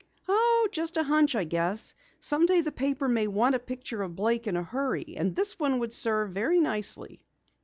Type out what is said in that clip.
"Oh, just a hunch, I guess. Someday the paper may want a picture of Blake in a hurry, and this one would serve very nicely."